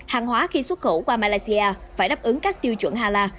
hàng hóa khi xuất khẩu qua malaysia phải đáp ứng các tiêu chuẩn hala